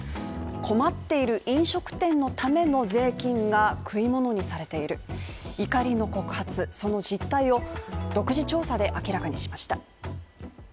困っている飲食店のための税金が食い物にされている怒りの告発、その実態を独自調査で明らかにしました。